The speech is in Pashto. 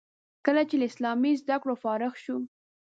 کله چې له اسلامي زده کړو فارغ شو.